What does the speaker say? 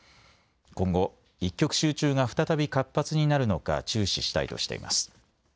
今後、一極集中が再び活発になるのか注視したいとしています。